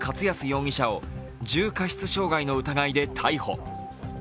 容疑者を重過失傷害の疑いで逮捕。